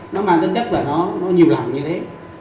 nó mang tính chất là nó nhiều lần như thế